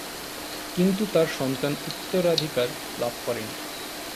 কিন্তু, তার সন্তান উত্তরাধিকার লাভ করে নি।